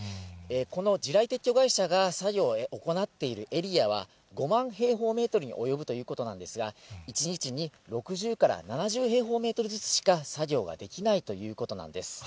この地雷撤去会社が作業を行っているエリアは、５万平方メートルに及ぶということなんですが、１日に６０から７０平方メートルほどずつしか作業ができないということなんです。